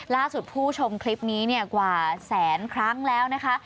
ผู้ชมคลิปนี้กว่าแสนครั้งแล้วนะคะ